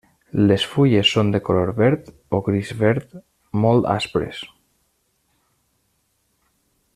Les fulles són de color verd o gris-verd, molt aspres.